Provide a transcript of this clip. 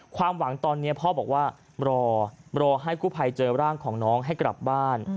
ความหวังตอนนี้พ่อบอกว่ารอรอให้กู้ภัยเจอร่างของน้องให้กลับบ้าน